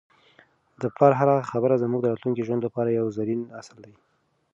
د پلار هره خبره زموږ د راتلونکي ژوند لپاره یو زرین اصل دی.